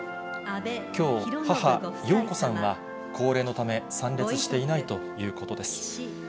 きょう、母、ようこさんは高齢のため、参列していないということです。